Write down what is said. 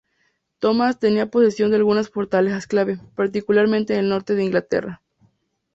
Thomas tenía posesión de algunas fortalezas clave, particularmente en el norte de Inglaterra.